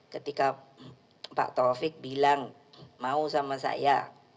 ketika pak taufik bilang mau sama saya